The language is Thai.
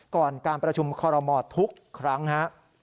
ก่อนการประชุมคอรมอทุกครั้งฮะ